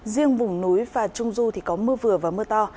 riêng vùng núi và trung du thì có mưa vừa và mưa to